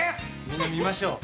みんな見ましょう。